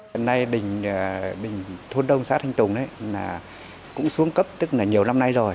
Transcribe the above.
hiện nay đình thôn đông xã thanh tùng cũng xuống cấp tức là nhiều năm nay rồi